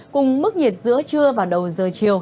cùng mức nhiệt giữa trưa và đầu giờ chiều